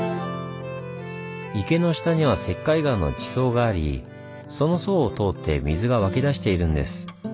池の下には石灰岩の地層がありその層を通って水が湧き出しているんです。